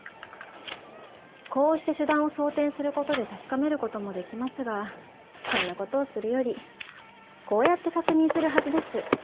こうして初弾を装填することで確かめることもできますがそんなことをするよりこうやって確認するはずです。